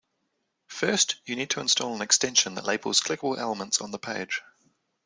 First, you need to install an extension that labels clickable elements on the page.